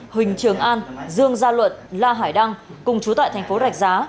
huỳnh trường an dương gia luận la hải đăng cùng chú tại tp rạch giá